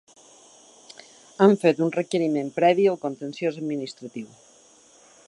Hem fet un requeriment previ al contenciós administratiu.